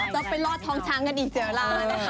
จะไปรอดท้องช้างกันอีกเดี๋ยวล่ะ